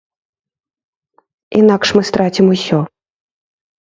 Інакш мы страцім усё.